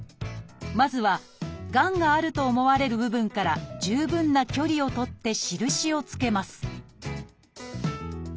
まずはがんがあると思われる部分から十分な距離を取って印を付けます